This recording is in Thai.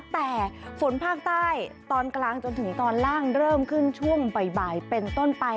แต่ฝนภาคใต้ตอนกลางจนถึงตอนล่างเริ่มขึ้นช่วงบ่ายเป็นต้นไป